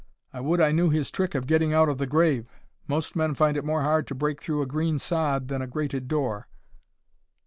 I would I knew his trick of getting out of the grave; most men find it more hard to break through a green sod than a grated door."